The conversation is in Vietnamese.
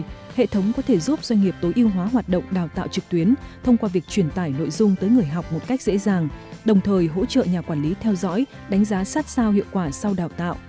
tuy nhiên hệ thống có thể giúp doanh nghiệp tối ưu hóa hoạt động đào tạo trực tuyến thông qua việc truyền tải nội dung tới người học một cách dễ dàng đồng thời hỗ trợ nhà quản lý theo dõi đánh giá sát sao hiệu quả sau đào tạo